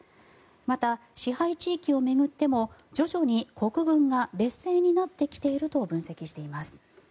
また、支配地域を巡っても徐々に国軍が劣勢になってきていると分析しています。